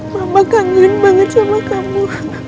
mama kangen banget sama kamu